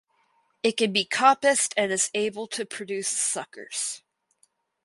It can be coppiced and is able to produce suckers.